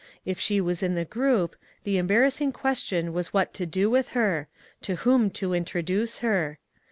If she was in the group, the embarrassing question was what to do with her ; to whom to intro duce her.